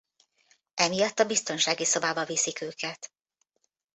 Emiatt a biztonsági szobába viszik őket.